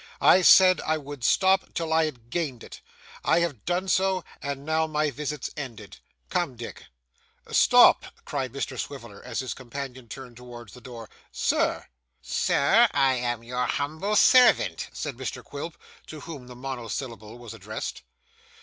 I said I would stop till I had gained it. I have done so, and now my visit's ended. Come Dick.' 'Stop!' cried Mr Swiveller, as his companion turned toward the door. 'Sir!' 'Sir, I am your humble servant,' said Mr Quilp, to whom the monosyllable was addressed.